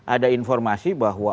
ada informasi bahwa